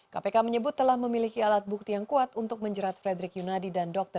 kpk menyebut telah memiliki alat bukti yang kuat untuk menjerat frederick yunadi dan dokter